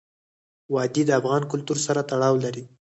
وادي د افغان کلتور سره تړاو لري.